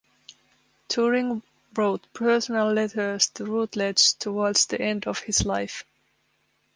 Turing wrote personal letters to Routledge towards the end of his life.